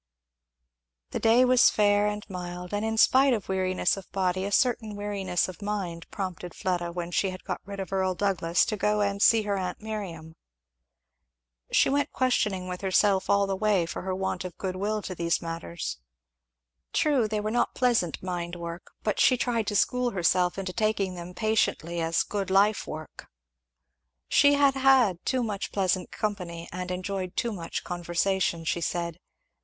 The day was fair and mild, and in spite of weariness of body a certain weariness of mind prompted Fleda when she had got rid of Earl Douglass, to go and see her aunt Miriam. She went questioning with herself all the way for her want of good will to these matters. True, they were not pleasant mind work; but she tried to school herself into taking them patiently as good life work. She had had too much pleasant company and enjoyed too much conversation, she said.